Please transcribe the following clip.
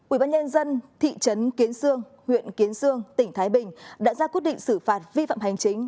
ubnd thị trấn kiến sương huyện kiến sương tỉnh thái bình đã ra quyết định xử phạt vi phạm hành chính